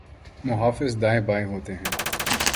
محافظ دائیں بائیں ہوتے ہیں۔